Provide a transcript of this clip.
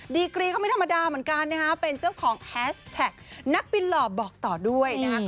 ดีกรีเขาไม่ธรรมดาเหมือนกันนะคะเป็นเจ้าของแฮสแท็กนักบินหล่อบอกต่อด้วยนะคะ